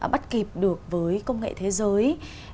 bắt kịp được với công nghệ thế giới